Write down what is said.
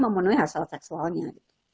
memenuhi hasil seksualnya